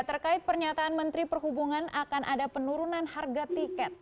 terkait pernyataan menteri perhubungan akan ada penurunan harga tiket